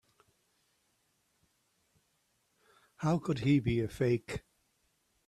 How could he be a fake?